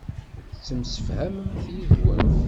Ttemsefhament yid-wen.